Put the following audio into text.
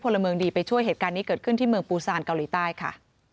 พลเมืองดีไปช่วยเหตุการณ์นี้เกิดขึ้นที่เมืองปูซานเกาหลีใต้ค่ะ